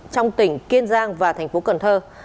trong tỉnh kiên giang và thành phố cần thơ